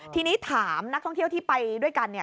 ทีนี้ถามนักท่องเที่ยวที่ไปด้วยกันเนี่ย